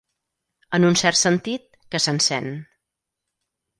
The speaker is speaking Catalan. En un cert sentit, que s'encén.